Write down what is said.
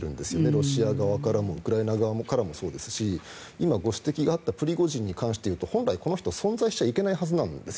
ロシア側からもウクライナ側からもそうですし今、ご指摘があったプリゴジン氏に関していうと本来この人は存在しちゃいけないはずなんです